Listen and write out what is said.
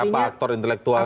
siapa aktor intelektualnya